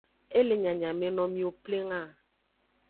E le nyanyameno miwo pleng a.